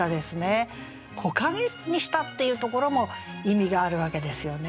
「木陰」にしたっていうところも意味があるわけですよね。